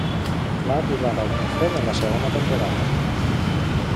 Va arribar al bufet en la segona temporada.